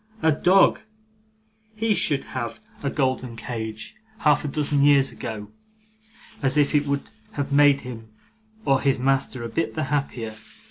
A dog! He should have had a golden cage half a dozen years ago, if it would have made him or his master a bit the happier.